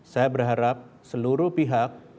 saya berharap seluruh pihak